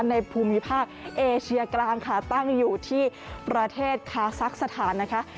ในภูมิภาคเอเชียกลางค่ะตั้งอยู่ที่ประเทศคาซักสถานนะคะ